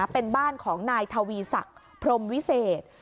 เป็นบ้านของนายทวีศักดิ์พรมวิเศษ